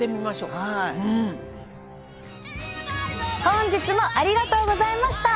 本日もありがとうございました！